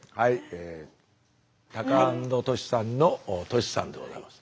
タカアンドトシさんのトシさんでございます。